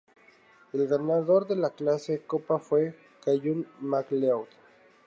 El ganador de la clase Copa fue Callum MacLeod.